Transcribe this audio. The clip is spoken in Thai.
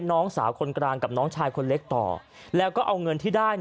น้องสาวคนกลางกับน้องชายคนเล็กต่อแล้วก็เอาเงินที่ได้